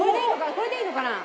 これでいいのかな？